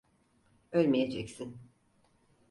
Ölmeyeceksin.